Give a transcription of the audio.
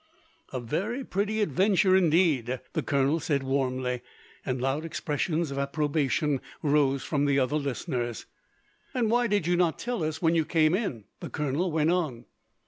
"A very pretty adventure, indeed," the colonel said warmly, and loud expressions of approbation rose from the other listeners. "And why did you not tell us, when you came in?" the colonel went on.